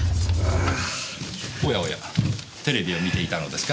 おやおやテレビを観ていたのですか？